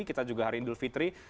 kita juga hari idul fitri